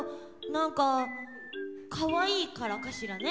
なんかかわいいからかしらね？